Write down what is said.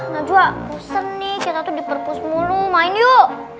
najwa bosen nih kita tuh diperpus mulu main yuk